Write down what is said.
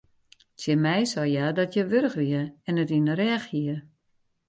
Tsjin my sei hja dat hja wurch wie en it yn de rêch hie.